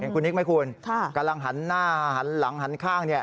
คุณนิกไหมคุณกำลังหันหน้าหันหลังหันข้าง